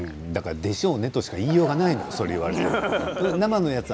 でしょうねとしか言いようがないの。